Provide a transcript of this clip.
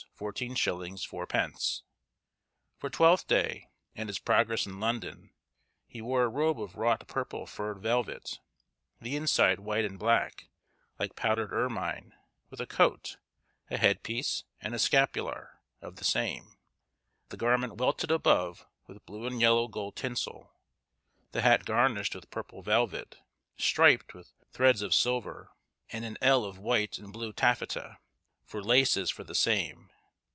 _ 4_d._ For Twelfth Day, and his progress in London, he wore a robe of wrought purple furred velvet, the inside white and black, like powdered ermine, with a coat, a head piece, and a scapular, of the same; the garment welted above, with blue and yellow gold tinsel; the hat garnished with purple velvet, striped with threads of silver; and an ell of white and blue taffeta, for laces for the same.